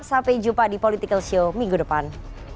sampai jumpa di political show minggu depan